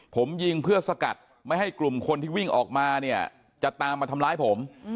ผมยิงเพื่อสกัดไม่ให้กลุ่มคนที่วิ่งออกมาเนี่ยจะตามมาทำร้ายผม